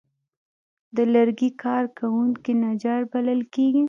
د لرګي کار کوونکي نجار بلل کېږي.